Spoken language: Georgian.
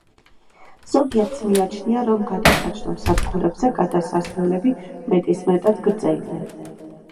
ზოგიერთს მიაჩნია, რომ გადასაჯდომ სადგურებზე გადასასვლელები მეტისმეტად გრძელია.